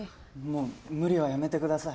もう無理はやめてください。